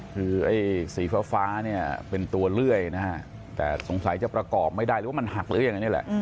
คือไอ้สีฟ้าเนี่ยเป็นตัวเลื่อยนะฮะแต่สงสัยจะประกอบไม่ได้หรือว่ามันหักหรือยังไงนี่แหละ